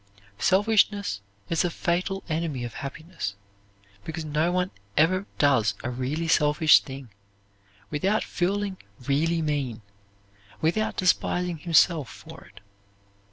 Selfishness is a fatal enemy of happiness because no one ever does a really selfish thing without feeling really mean, without despising himself for it.